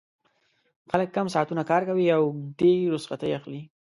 خلک کم ساعتونه کار کوي او اوږدې رخصتۍ اخلي